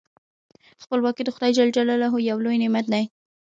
خپلواکي د خدای جل جلاله یو لوی نعمت دی.